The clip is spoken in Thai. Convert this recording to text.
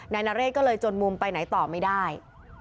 นายนเรศก็เลยจนมุมไปไหนต่อไม่ได้